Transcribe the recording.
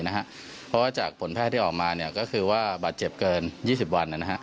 เพราะว่าจากผลแพทย์ที่ออกมาก็คือว่าบาดเจ็บเกิน๒๐วัน